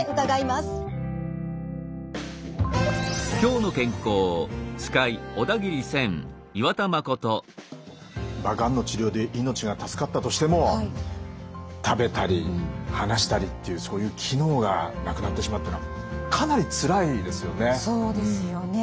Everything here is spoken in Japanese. まあがんの治療で命が助かったとしても食べたり話したりっていうそういう機能がなくなってしまうっていうのはかなりつらいですよね。